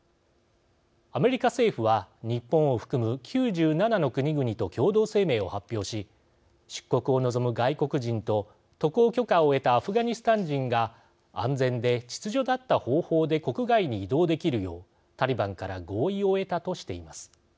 アメリカ政府は日本を含む９７の国々と共同声明を発表し出国を望む外国人と渡航許可を得たアフガニスタン人が安全で秩序だった方法で国外に移動できるようタリバンから合意を得たとしています。